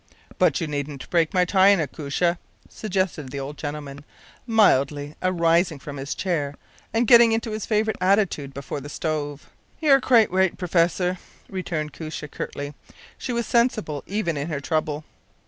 “But you needn’t break my china, Koosje,” suggested the old gentleman, mildly, rising from his chair and getting into his favourite attitude before the stove. “You are quite right, professor,” returned Koosje, curtly; she was sensible even in her trouble.